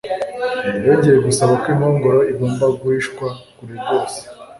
yongeye gusaba ko inkongoro igomba guhishwa kure rwose